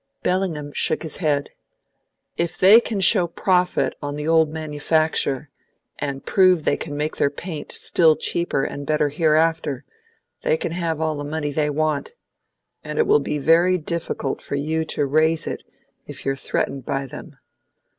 Bellingham shook his head. "If they can show profit on the old manufacture, and prove they can make their paint still cheaper and better hereafter, they can have all the money they want. And it will be very difficult for you to raise it if you're threatened by them.